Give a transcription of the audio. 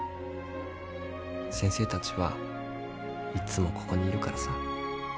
先生たちはいっつもここにいるからさ。